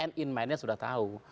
sebenarnya end in mindnya sudah tahu